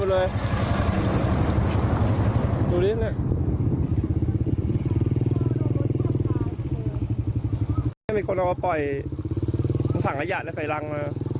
ลูกแมว